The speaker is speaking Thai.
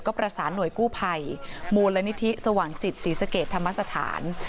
ก็ประสานหน่วยกู้ภัยมูลนิธิสว่างจิตศรีสะเกดธรรมสถาน